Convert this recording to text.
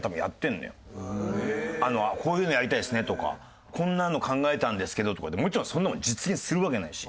「こういうのやりたいですね」とか「こんなの考えたんですけど」とか言ってもちろんそんなものは実現するわけないし。